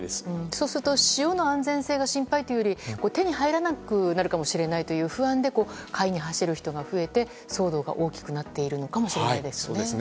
そうすると塩の安全性が心配というより手に入らなくなるかもしれないという不安で買いに走る人が増えて騒動が大きくなっているのかもしれないですね。